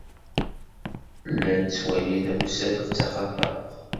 Llan ttwalin tamsalt d taxatart.